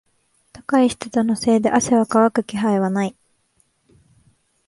高い湿度のせいで汗は乾く気配はない。